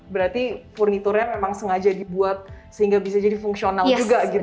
berarti furniture nya memang sengaja dibuat sehingga bisa jadi fungsional juga gitu ya